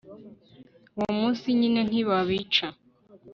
uwo munsi nyine, ntibabica